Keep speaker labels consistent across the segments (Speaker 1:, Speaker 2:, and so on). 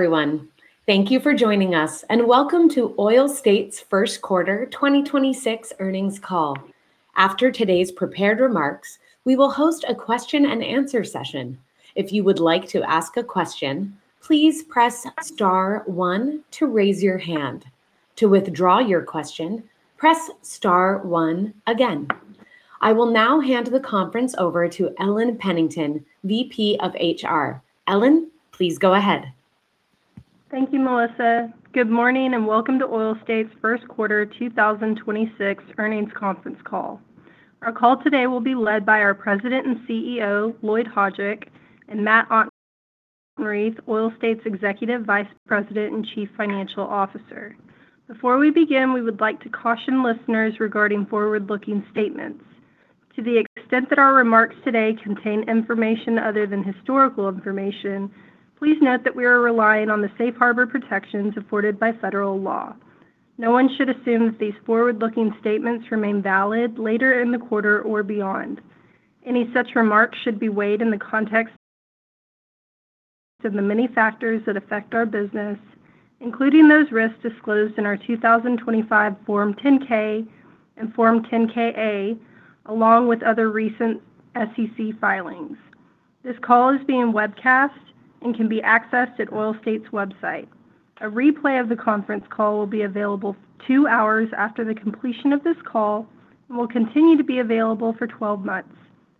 Speaker 1: Everyone, thank you for joining us, welcome to Oil States First Quarter 2026 earnings call. After today's prepared remarks, we will host a question and answer session. If you would like to ask a question, please press star one to raise your hand. To withdraw your question, press star one again. I will now hand the conference over to Ellen Pennington, VP of HR. Ellen, please go ahead.
Speaker 2: Thank you, Melissa. Good morning, welcome to Oil States first quarter 2026 earnings conference call. Our call today will be led by our President and CEO, Lloyd Hajdik, and Matthew Autenrieth, Oil States Executive Vice President and Chief Financial Officer. Before we begin, we would like to caution listeners regarding forward-looking statements. To the extent that our remarks today contain information other than historical information, please note that we are relying on the safe harbor protections afforded by federal law. No one should assume that these forward-looking statements remain valid later in the quarter or beyond. Any such remarks should be weighed in the context of the many factors that affect our business, including those risks disclosed in our 2025 Form 10-K and Form 10-K/A, along with other recent SEC filings. This call is being webcast and can be accessed at Oil States' website. A replay of the conference call will be available two hours after the completion of this call and will continue to be available for 12 months.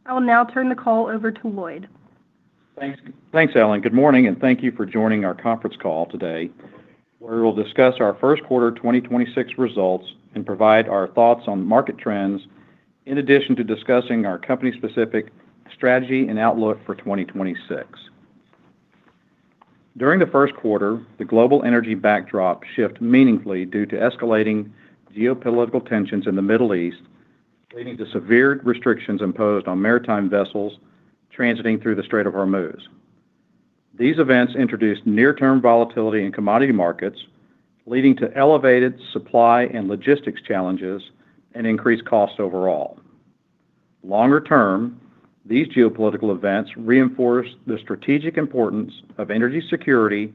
Speaker 2: I will now turn the call over to Lloyd.
Speaker 3: Thanks, Ellen. Good morning, and thank you for joining our conference call today, where we'll discuss our first quarter 2026 results and provide our thoughts on market trends in addition to discussing our company-specific strategy and outlook for 2026. During the first quarter, the global energy backdrop shift meaningfully due to escalating geopolitical tensions in the Middle East, leading to severe restrictions imposed on maritime vessels transiting through the Strait of Hormuz. These events introduced near-term volatility in commodity markets, leading to elevated supply and logistics challenges and increased costs overall. Longer term these geopolitical events reinforce the strategic importance of energy security,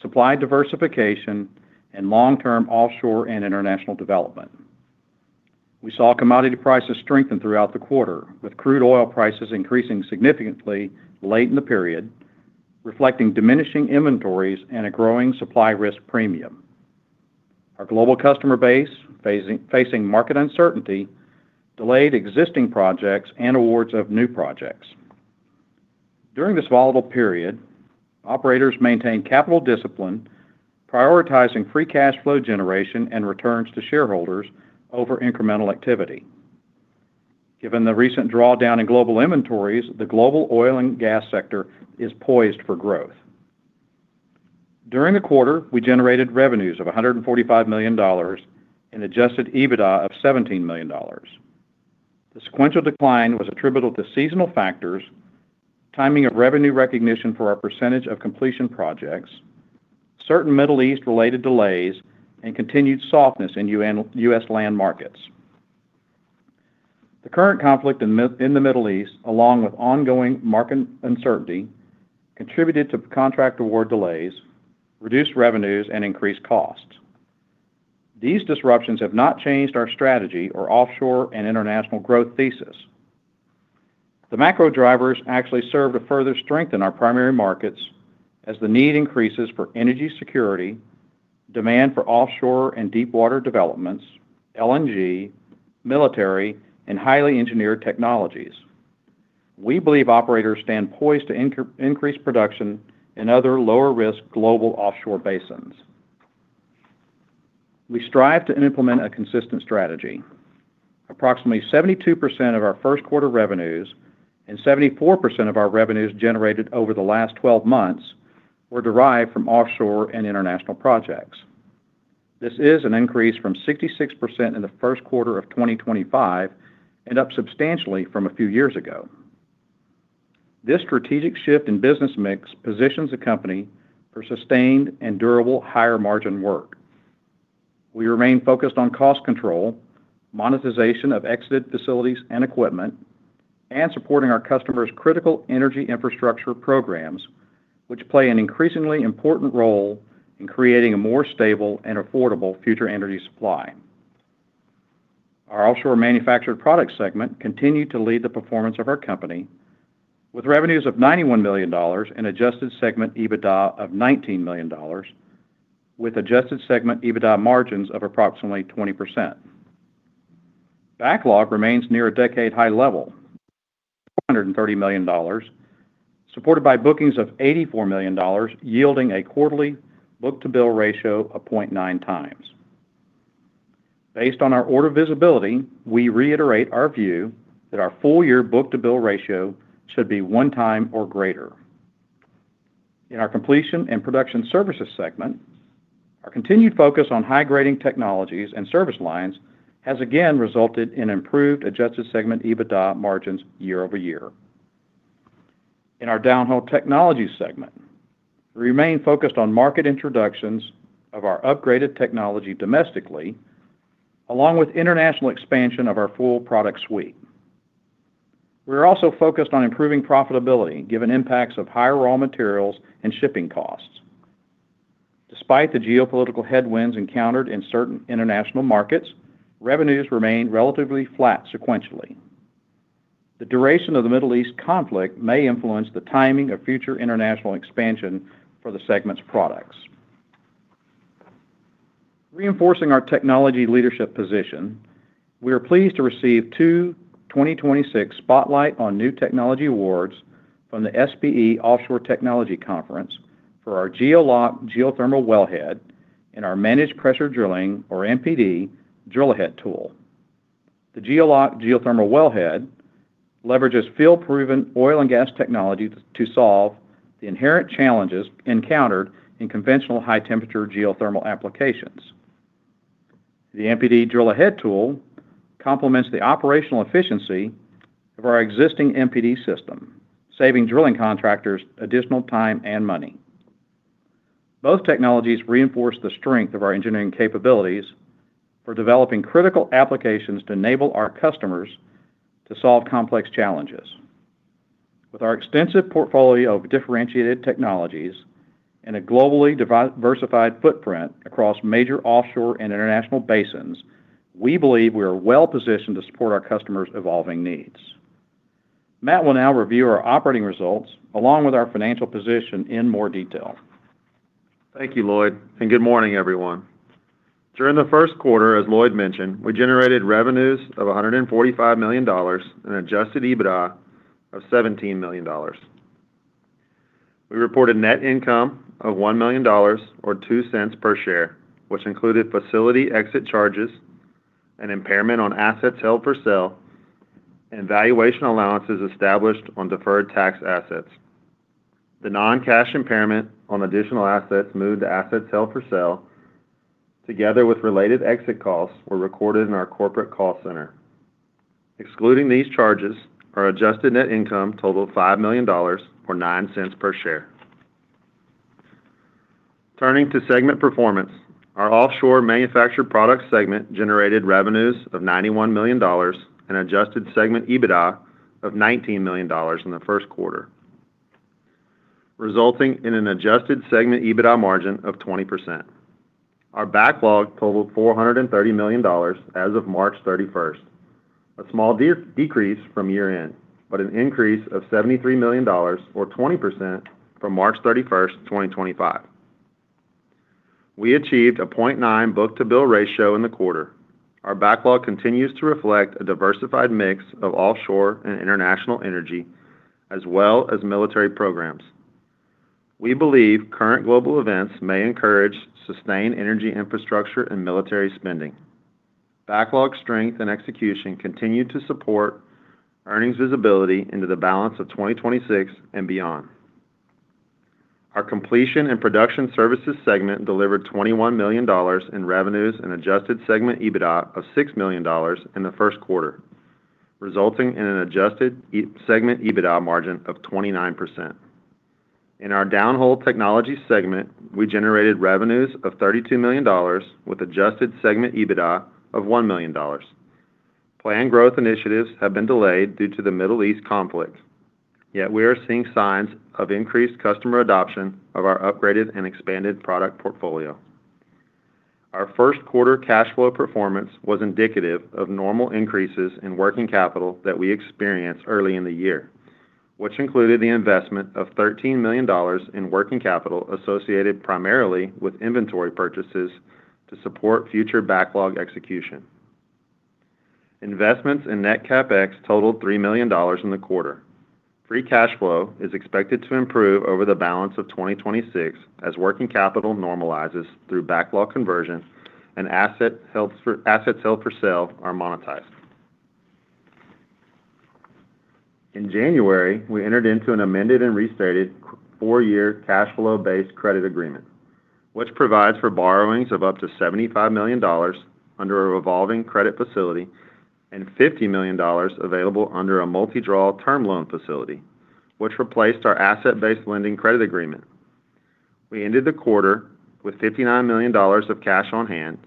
Speaker 3: supply diversification, and long-term offshore and international development. We saw commodity prices strengthen throughout the quarter, with crude oil prices increasing significantly late in the period, reflecting diminishing inventories and a growing supply risk premium. Our global customer base facing market uncertainty, delayed existing projects and awards of new projects. During this volatile period, operators maintained capital discipline, prioritizing free cash flow generation and returns to shareholders over incremental activity. Given the recent drawdown in global inventories, the global oil and gas sector is poised for growth. During the quarter, we generated revenues of $145 million and adjusted EBITDA of $17 million. The sequential decline was attributable to seasonal factors, timing of revenue recognition for our percentage of completion projects, certain Middle East-related delays, and continued softness in U.S. land markets. The current conflict in the Middle East, along with ongoing market uncertainty, contributed to contract award delays, reduced revenues, and increased costs. These disruptions have not changed our strategy or offshore and international growth thesis. The macro drivers actually serve to further strengthen our primary markets as the need increases for energy security, demand for offshore and deepwater developments, LNG, military, and highly engineered technologies. We believe operators stand poised to increase production in other lower-risk global offshore basins. We strive to implement a consistent strategy. Approximately 72% of our first quarter revenues and 74 of our revenues generated over the last 12 months were derived from offshore and international projects. This is an increase from 66% in the first quarter of 2025 and up substantially from a few years ago. This strategic shift in business mix positions the company for sustained and durable higher-margin work. We remain focused on cost control, monetization of exited facilities and equipment, and supporting our customers' critical energy infrastructure programs, which play an increasingly important role in creating a more stable and affordable future energy supply. Our Offshore Manufactured Products segment continued to lead the performance of our company with revenues of $91 million and adjusted Segment Adjusted EBITDA of $19 million, with adjusted Segment Adjusted EBITDA margins of approximately 20%. Backlog remains near a decade-high level, $430 million, supported by bookings of $84 million, yielding a quarterly book-to-bill ratio of 0.9x. Based on our order visibility, we reiterate our view that our full-year book-to-bill ratio should be 1x or greater. In our Completion and Production Services segment, our continued focus on high-grading technologies and service lines has again resulted in improved adjusted Segment Adjusted EBITDA margins year-over-year. In our Downhole Technologies segment, we remain focused on market introductions of our upgraded technology domestically, along with international expansion of our full product suite. We are also focused on improving profitability, given impacts of higher raw materials and shipping costs. Despite the geopolitical headwinds encountered in certain international markets, revenues remained relatively flat sequentially. The duration of the Middle East conflict may influence the timing of future international expansion for the segment's products. Reinforcing our technology leadership position, we are pleased to receive 2 2026 Spotlight on New Technology awards from the SPE Offshore Technology Conference for our GeoLok geothermal wellhead and our Managed Pressure Drilling, or MPD, Drill Ahead Tool. The GeoLok geothermal wellhead leverages field-proven oil and gas technology to solve the inherent challenges encountered in conventional high-temperature geothermal applications. The MPD Drill Ahead Tool complements the operational efficiency of our existing MPD system, saving drilling contractors additional time and money. Both technologies reinforce the strength of our engineering capabilities for developing critical applications to enable our customers to solve complex challenges. With our extensive portfolio of differentiated technologies and a globally diversified footprint across major offshore and international basins, we believe we are well-positioned to support our customers' evolving needs. Matt will now review our operating results, along with our financial position in more detail.
Speaker 4: Thank you, Lloyd, and good morning, everyone. During the first quarter, as Lloyd mentioned, we generated revenues of $145 million and adjusted EBITDA of $17 million. We reported net income of $1 million, or $0.02 per share, which included facility exit charges and impairment on assets held for sale and valuation allowances established on deferred tax assets. The non-cash impairment on additional assets moved to assets held for sale together with related exit costs were recorded in our corporate cost center. Excluding these charges, our adjusted net income totaled $5 million, or $0.09 per share. Turning to segment performance, our Offshore Manufactured Products segment generated revenues of $91 million and Segment Adjusted EBITDA of $19 million in the first quarter, resulting in an Segment Adjusted EBITDA margin of 20%. Our backlog totaled $430 million as of March 31st, a small decrease from year-end, an increase of $73 million or 20% from March 31st, 2025. We achieved a 0.9 book-to-bill ratio in the quarter. Our backlog continues to reflect a diversified mix of offshore and international energy as well as military programs. We believe current global events may encourage sustained energy infrastructure and military spending. Backlog strength and execution continue to support earnings visibility into the balance of 2026 and beyond. Our Completion and Production Services segment delivered $21 million in revenues and Segment Adjusted EBITDA of $6 million in the first quarter, resulting in an adjusted Segment EBITDA margin of 29%. In our Downhole Technologies segment, we generated revenues of $32 million with Segment Adjusted EBITDA of $1 million. Planned growth initiatives have been delayed due to the Middle East conflict, yet we are seeing signs of increased customer adoption of our upgraded and expanded product portfolio. Our first quarter cash flow performance was indicative of normal increases in working capital that we experienced early in the year, which included the investment of $13 million in working capital associated primarily with inventory purchases to support future backlog execution. Investments in net CapEx totaled $3 million in the quarter. Free cash flow is expected to improve over the balance of 2026 as working capital normalizes through backlog conversion and assets held for sale are monetized. In January, we entered into an amended and restated four-year cash flow-based credit agreement, which provides for borrowings of up to $75 million under a revolving credit facility and $50 million available under a multi-draw term loan facility, which replaced our asset-based lending credit agreement. We ended the quarter with $59 million of cash on hand.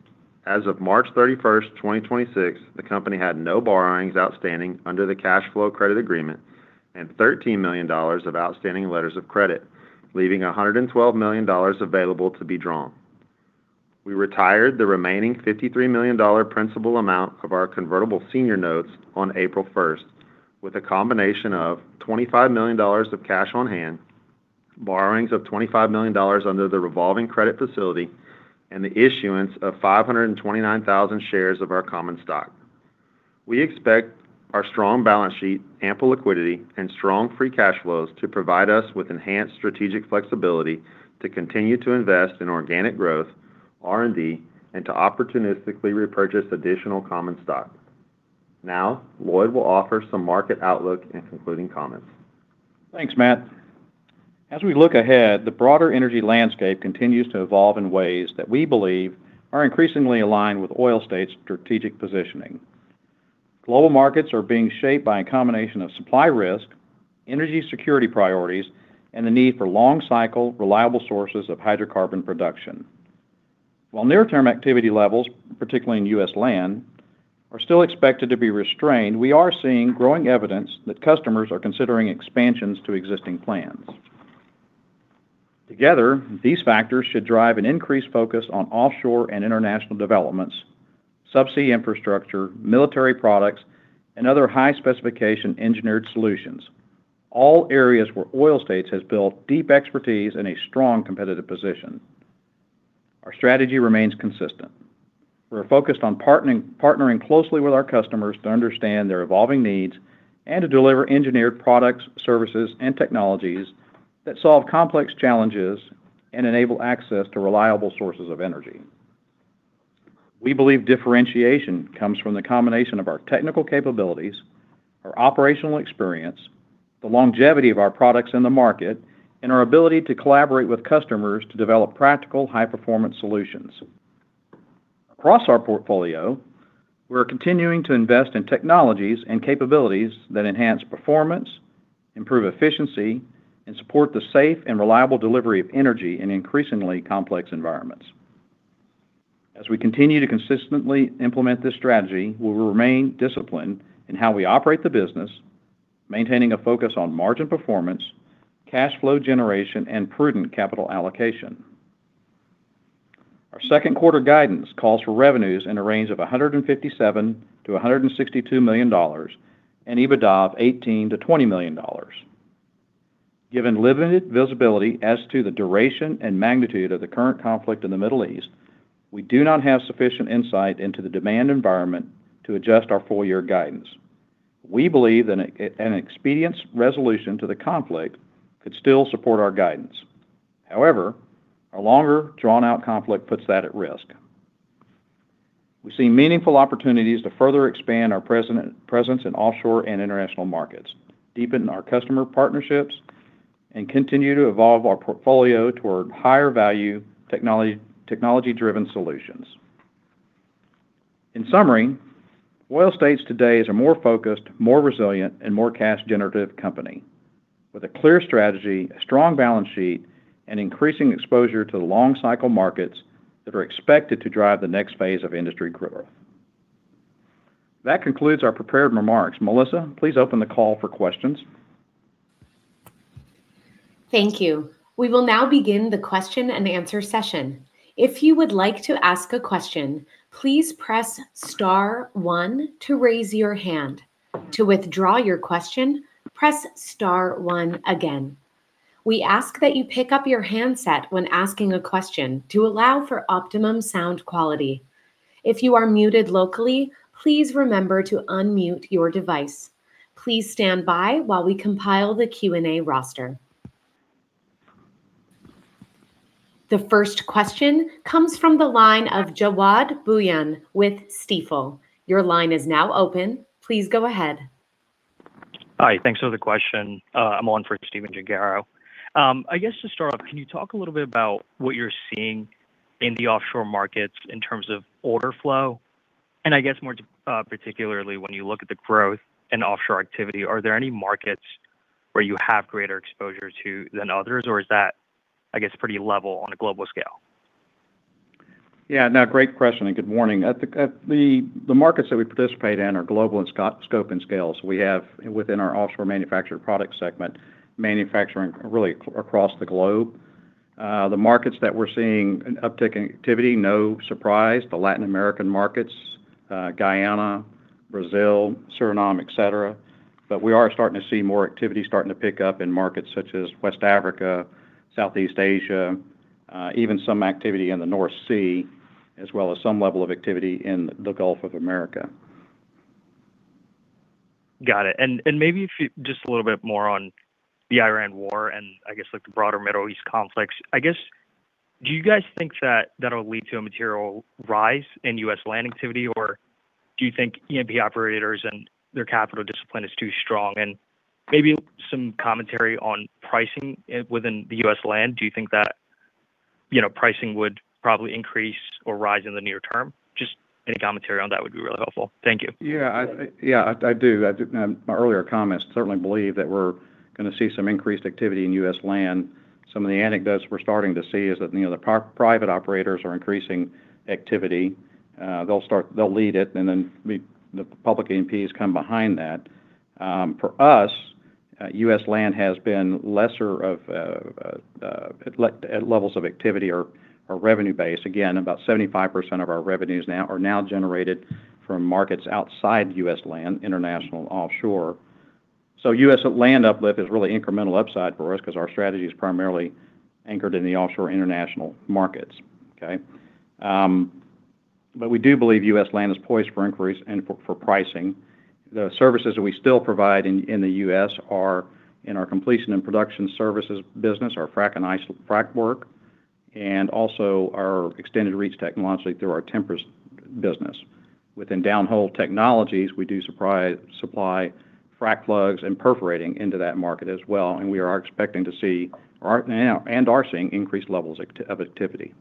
Speaker 4: As of March 31, 2026, the company had no borrowings outstanding under the cash flow credit agreement and $13 million of outstanding letters of credit, leaving $112 million available to be drawn. We retired the remaining $53 million principal amount of our convertible senior notes on April 1 with a combination of $25 million of cash on hand, borrowings of $25 million under the revolving credit facility, and the issuance of 529,000 shares of our common stock. We expect our strong balance sheet, ample liquidity, and strong free cash flows to provide us with enhanced strategic flexibility to continue to invest in organic growth, R&D, and to opportunistically repurchase additional common stock. Now, Lloyd will offer some market outlook and concluding comments.
Speaker 3: Thanks, Matt. As we look ahead, the broader energy landscape continues to evolve in ways that we believe are increasingly aligned with Oil States' strategic positioning. Global markets are being shaped by a combination of supply risk, energy security priorities, and the need for long-cycle, reliable sources of hydrocarbon production. While near-term activity levels, particularly in U.S. land, are still expected to be restrained, we are seeing growing evidence that customers are considering expansions to existing plans. Together, these factors should drive an increased focus on offshore and international developments, subsea infrastructure, military products, and other high-specification engineered solutions, all areas where Oil States has built deep expertise and a strong competitive position. Our strategy remains consistent. We're focused on partnering closely with our customers to understand their evolving needs and to deliver engineered products, services, and technologies that solve complex challenges and enable access to reliable sources of energy. We believe differentiation comes from the combination of our technical capabilities, our operational experience, the longevity of our products in the market, and our ability to collaborate with customers to develop practical, high-performance solutions. Across our portfolio, we are continuing to invest in technologies and capabilities that enhance performance, improve efficiency, and support the safe and reliable delivery of energy in increasingly complex environments. As we continue to consistently implement this strategy, we will remain disciplined in how we operate the business, maintaining a focus on margin performance, cash flow generation, and prudent capital allocation. Our second quarter guidance calls for revenues in a range of $157 million-$162 million and EBITDA of $18 million-$20 million. Given limited visibility as to the duration and magnitude of the current conflict in the Middle East, we do not have sufficient insight into the demand environment to adjust our full year guidance. We believe that an expedient resolution to the conflict could still support our guidance. A longer drawn-out conflict puts that at risk. We see meaningful opportunities to further expand our presence in offshore and international markets, deepen our customer partnerships, and continue to evolve our portfolio toward higher value technology-driven solutions. Oil States today is a more focused, more resilient, and more cash-generative company with a clear strategy, a strong balance sheet, and increasing exposure to the long cycle markets that are expected to drive the next phase of industry growth. That concludes our prepared remarks. Melissa, please open the call for questions.
Speaker 1: Thank you. We will now begin the question-and-answer session. If you would like to ask a question, please press star one to raise your hand. To withdraw your question, press star one again. We ask that you pick up your handset when asking a question to allow for optimum sound quality. If you are muted locally, please remember to unmute your device. Please stand by while we compile the Q&A roster. The first question comes from the line of Jawad Bhuiyan with Stifel. Your line is now open. Please go ahead.
Speaker 5: Hi, thanks for the question. I'm on for Stephen Gengaro. I guess to start off, can you talk a little bit about what you're seeing in the offshore markets in terms of order flow? I guess more particularly when you look at the growth in offshore activity, are there any markets where you have greater exposure to than others, or is that, I guess, pretty level on a global scale?
Speaker 3: Yeah, no, great question, and good morning. At the markets that we participate in are global in scope and scale. We have, within our Offshore Manufactured Products segment, manufacturing really across the globe. The markets that we're seeing an uptick in activity, no surprise, the Latin American markets, Guyana, Brazil, Suriname, et cetera. We are starting to see more activity starting to pick up in markets such as West Africa, Southeast Asia, even some activity in the North Sea, as well as some level of activity in the Gulf of America.
Speaker 5: Got it. Maybe just a little bit more on the Iran war and I guess like the broader Middle East conflicts. I guess, do you guys think that that'll lead to a material rise in U.S. land activity, or do you think E&P operators and their capital discipline is too strong? Maybe some commentary on pricing within the U.S. land. Do you think that, you know, pricing would probably increase or rise in the near term? Just any commentary on that would be really helpful. Thank you.
Speaker 3: Yeah, I do. I do. In my earlier comments, certainly believe that we're gonna see some increased activity in U.S. land. Some of the anecdotes we're starting to see is that, you know, the private operators are increasing activity. They'll lead it, and then the public E&Ps come behind that. For us, U.S. land has been lesser of at levels of activity or revenue base. Again, about 75% of our revenues are now generated from markets outside U.S. land, international and offshore. U.S. land uplift is really incremental upside for us because our strategy is primarily anchored in the offshore international markets. We do believe U.S. land is poised for increase and for pricing. The services that we still provide in the U.S. are in our Completion and Production Services business, our frac work, and also our extended reach technology through our Tempress business. Within Downhole Technologies, we do supply frac plugs and perforating into that market as well, and we are expecting to see, are now, and are seeing increased levels of activity.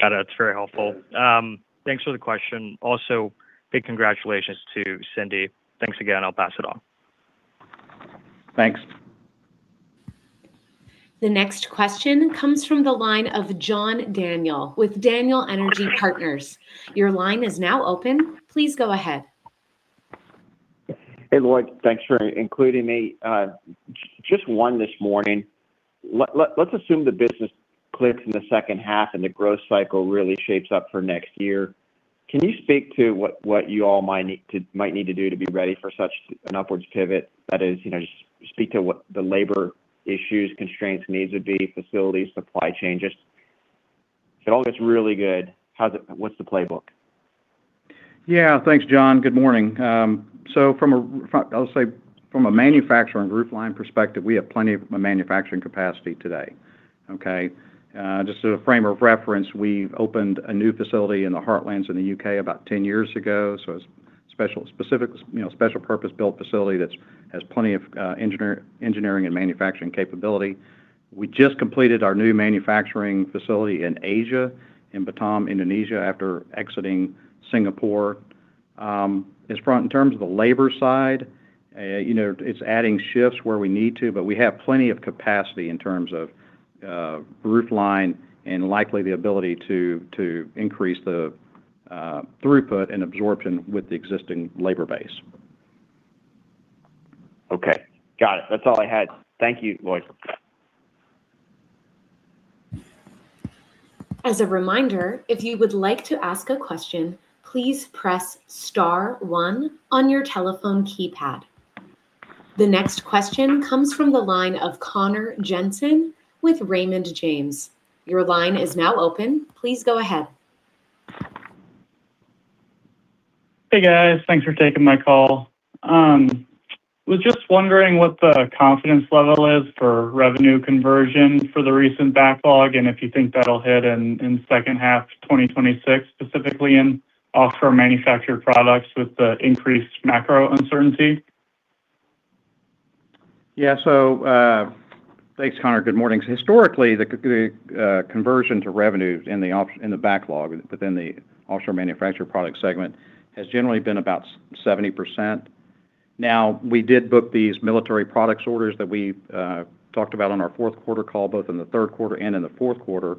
Speaker 5: Got it. That's very helpful. Thanks for the question. Also, big congratulations to Cindy. Thanks again. I'll pass it on.
Speaker 3: Thanks.
Speaker 1: The next question comes from the line of John Daniel with Daniel Energy Partners. Your line is now open. Please go ahead.
Speaker 6: Hey, Lloyd. Thanks for including me. Just one this morning. Let's assume the business clicks in the second half, the growth cycle really shapes up for next year. Can you speak to what you all might need to do to be ready for such an upwards pivot? That is, you know, just speak to what the labor issues, constraints, needs would be, facilities, supply chain, just if it all gets really good, what's the playbook?
Speaker 3: Thanks, John. Good morning. I'll say from a manufacturing roof line perspective, we have plenty of manufacturing capacity today, okay? Just as a frame of reference, we've opened a new facility in the Heartlands in the U.K. about 10 years ago, it's special, specific, you know, special purpose-built facility that's, has plenty of engineering and manufacturing capability. We just completed our new manufacturing facility in Asia, in Batam, Indonesia, after exiting Singapore. In terms of the labor side, you know, it's adding shifts where we need to, we have plenty of capacity in terms of roof line and likely the ability to increase the throughput and absorption with the existing labor base.
Speaker 6: Okay. Got it. That's all I had. Thank you, Lloyd.
Speaker 1: As a reminder, if you would like to ask a question, please press star one on your telephone keypad. The next question comes from the line of Connor Jensen with Raymond James. Your line is now open. Please go ahead.
Speaker 7: Hey, guys. Thanks for taking my call. Was just wondering what the confidence level is for revenue conversion for the recent backlog, and if you think that'll hit in second half 2026, specifically in Offshore Manufactured Products with the increased macro uncertainty.
Speaker 3: Thanks, Connor. Good morning. Historically, the conversion to revenue in the backlog within the Offshore Manufactured Products segment has generally been about 70%. We did book these military products orders that we talked about on our fourth quarter call, both in the third quarter and in the fourth quarter,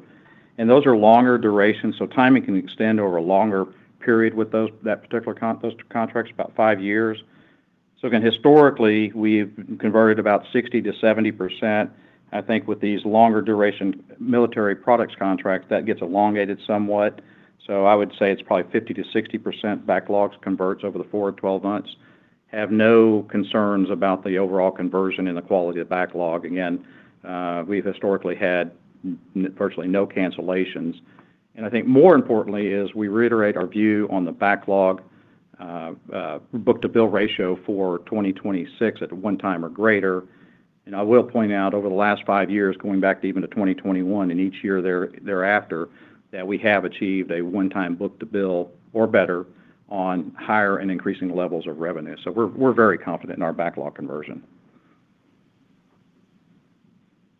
Speaker 3: and those are longer duration, so timing can extend over a longer period with those contracts, about 5 years. Again, historically, we've converted about 60%-70%. I think with these longer duration military products contracts, that gets elongated somewhat, I would say it's probably 50%-60% backlogs converts over the 4-12 months. Have no concerns about the overall conversion and the quality of backlog. Again, we've historically had virtually no cancellations. I think more importantly is we reiterate our view on the backlog, book-to-bill ratio for 2026 at 1 time or greater. I will point out, over the last 5 years, going back to even to 2021 and each year thereafter, that we have achieved a 1-time book-to-bill or better on higher and increasing levels of revenue. We're very confident in our backlog conversion.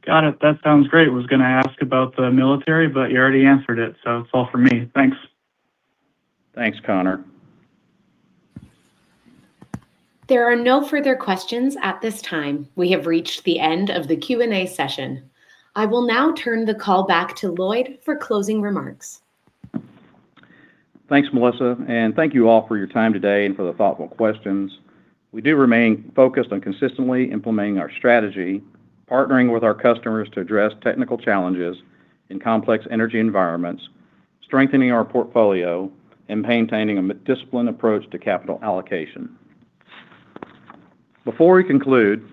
Speaker 7: Got it. That sounds great. Was gonna ask about the military, but you already answered it, so that's all for me. Thanks.
Speaker 3: Thanks, Connor.
Speaker 1: There are no further questions at this time. We have reached the end of the Q&A session. I will now turn the call back to Lloyd for closing remarks.
Speaker 3: Thanks, Melissa. Thank you all for your time today and for the thoughtful questions. We do remain focused on consistently implementing our strategy, partnering with our customers to address technical challenges in complex energy environments, strengthening our portfolio, and maintaining a disciplined approach to capital allocation. Before we conclude,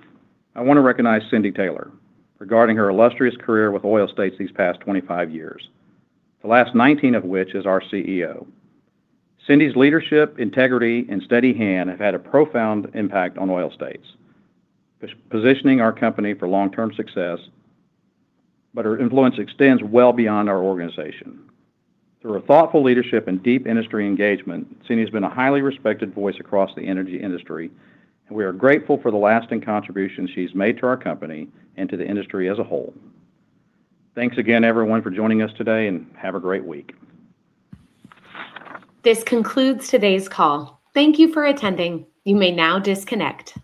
Speaker 3: I wanna recognize Cindy Taylor regarding her illustrious career with Oil States these past 25 years, the last 19 of which as our CEO. Cindy's leadership, integrity, and steady hand have had a profound impact on Oil States, positioning our company for long-term success. Her influence extends well beyond our organization. Through her thoughtful leadership and deep industry engagement, Cindy has been a highly respected voice across the energy industry. We are grateful for the lasting contributions she's made to our company and to the industry as a whole. Thanks again, everyone, for joining us today, and have a great week.
Speaker 1: This concludes today's call. Thank you for attending. You may now disconnect.